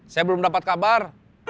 saya belum dapet kabar